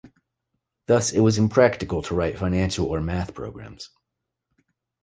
Thus, it was impractical to write financial or math programs.